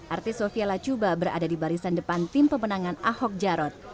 artis sofia lachuba berada di barisan depan tim pemenangan ahok jarot